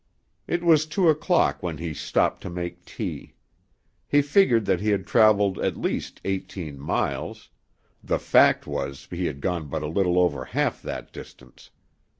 It was two o'clock when he stopped to make tea. He figured that he had traveled at least eighteen miles; the fact was he had gone but a little over half that distance.